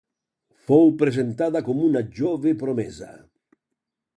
Fou presentada com una jove promesa.